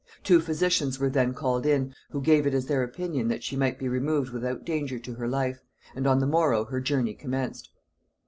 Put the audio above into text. Two physicians were then called in, who gave it as their opinion that she might be removed without danger to her life; and on the morrow her journey commenced.